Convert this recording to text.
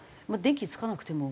電気つかなくても。